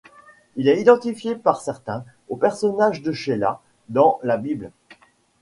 Il est identifié par certains au personnage de Shélah dans la Bible.